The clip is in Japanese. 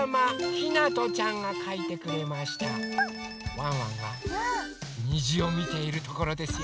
ワンワンがにじをみているところですよ。